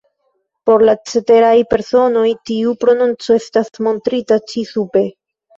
Por la ceteraj personoj, tiu prononco estas montrita ĉi sube.